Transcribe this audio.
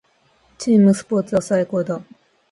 チームスポーツは最高だ。